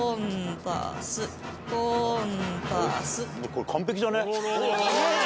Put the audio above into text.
もうこれ完璧じゃね？